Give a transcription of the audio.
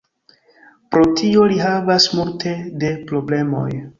Pro tio li havas multe de problemoj.